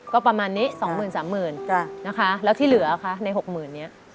ก็ประมาณนี้๒หมื่น๓หมื่นแล้วที่เหลือใน๖หมื่นนี้